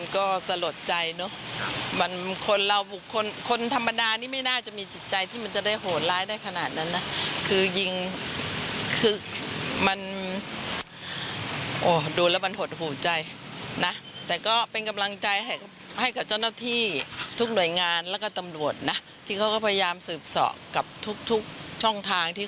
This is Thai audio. ก็จะหาได้นะก็เป็นกำลังใจให้ต้นที่ทุกคน